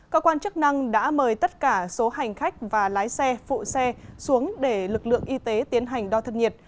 cơ quan chức năng đã mời tất cả số hành khách và lái xe phụ xe xuống để lực lượng y tế tiến hành đo thân nhiệt